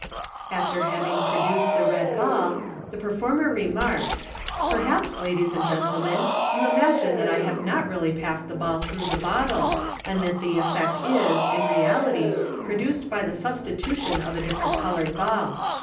After having produced the red ball, the performer remarks, " Per haps, ladies and gentlemen, you imagine that I have not really passed the ball through the bottle, and that the effect is, in reality, produced by the substitution of a different coloured ball.